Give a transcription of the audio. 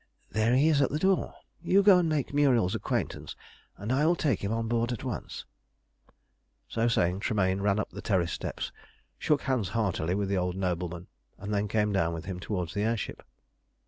There he is at the door! You go and make Muriel's acquaintance, and I will take him on board at once." So saying, Tremayne ran up the terrace steps, shook hands heartily with the old nobleman, and then came down with him towards the air ship.